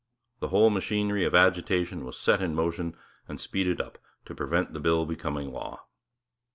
The whole machinery of agitation was set in motion and speeded up, to prevent the bill becoming law.